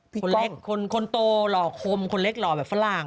พี่ก้องคนเล็กคนโตหลอคมคนเล็กหลอแบบฝรั่ง